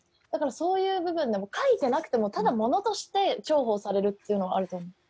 だからそういう部分でも書いてなくてもただ物として重宝されるっていうのはあると思う。